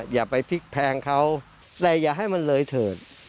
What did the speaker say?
อย่าไปพลิกแพงเขาแต่อย่าให้มันเลยเถิด